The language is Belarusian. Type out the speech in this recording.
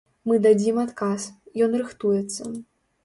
Мы дадзім адказ, ён рыхтуецца.